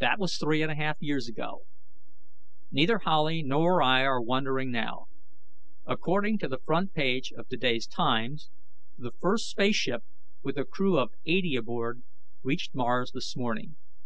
That was three and a half years ago. Neither Howley nor I are wondering now. According to the front page of today's Times, the first spaceship, with a crew of eighty aboard, reached Mars this morning.